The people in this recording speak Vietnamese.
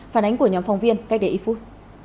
phản ánh của nhóm phong viên cách để ý phút